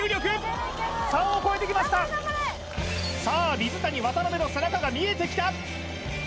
水谷渡辺の背中が見えてきた